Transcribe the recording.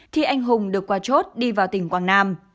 khi anh hùng được qua chốt đi vào tỉnh quảng nam